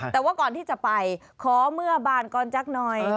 แต่ว่าก่อนที่จะไปขอเมื่อบานก่อนจักหน่อย